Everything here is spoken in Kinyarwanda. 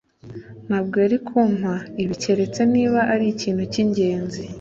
ntabwo yari kumpa ibi keretse niba ari ikintu cyingenzi.